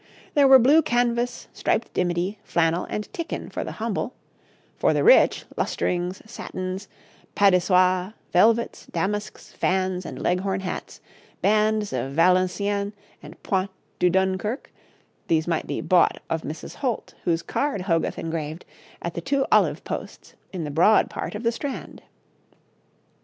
There were blue canvas, striped dimity, flannel, and ticken for the humble; for the rich, lustrings, satins, Padesois, velvets, damasks, fans and Leghorn hats, bands of Valenciennes and Point de Dunquerque these might be bought of Mrs. Holt, whose card Hogarth engraved, at the Two Olive Posts in the Broad part of the Strand.